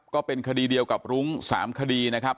ก็เป็นคดีเดียวกับรุ้ง๓คดีนะครับ